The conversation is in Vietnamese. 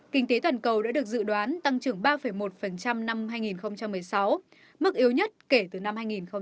kinh tế toàn cầu đã được dự đoán tăng trưởng ba một năm hai nghìn một mươi sáu mức yếu nhất kể từ năm hai nghìn một mươi